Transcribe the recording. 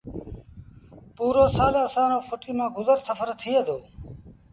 پُورو سآل اسآݩ رو ڦُٽيٚ مآݩ گزر سڦر ٿئي دو